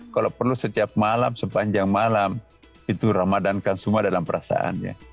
kalau perlu setiap malam sepanjang malam itu ramadankan semua dalam perasaannya